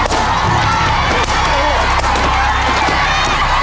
๒โป่ง